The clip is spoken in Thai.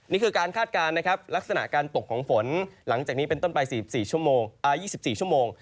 นี่คือการคาดการณ์นะครับลักษณะการตกของฝนหลังจากนี้เป็นต้นไป๔๔ชั่วโมง